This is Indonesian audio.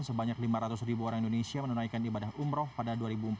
sebanyak lima ratus ribu orang indonesia menunaikan ibadah umroh pada dua ribu empat belas